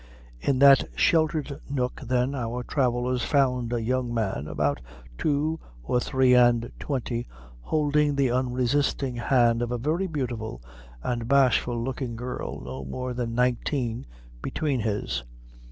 In that sheltered nook, then, our travellers found a young man about two or three and twenty, holding the unresisting hand of a very beautiful and bashful looking girl, not more than nineteen, between his.